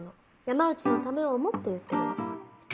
山内のためを思って言ってるの。